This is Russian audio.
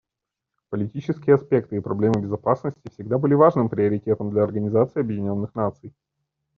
Политические аспекты и проблемы безопасности всегда были важным приоритетом для Организации Объединенных Наций.